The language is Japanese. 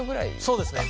そうですね。